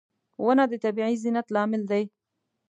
• ونه د طبیعي زینت لامل دی.